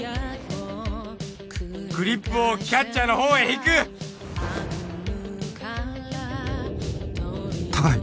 グリップをキャッチャーの方へ引く高い